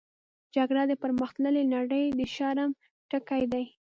جګړه د پرمختللې نړۍ د شرم ټکی دی